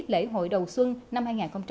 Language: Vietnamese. lễ hội đầu xuân năm hai nghìn một mươi sáu